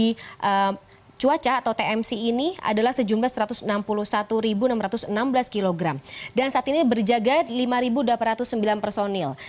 jadi cuaca atau tmc ini adalah sejumlah satu ratus enam puluh satu enam ratus enam belas kilogram dan saat ini berjaga lima delapan ratus sembilan personil